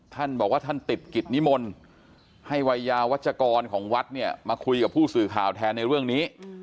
ท่านบอกว่าท่านติดกิจนิมนต์ให้วัยยาวัชกรของวัดเนี่ยมาคุยกับผู้สื่อข่าวแทนในเรื่องนี้